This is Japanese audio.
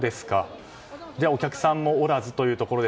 じゃあお客さんもおらずということで。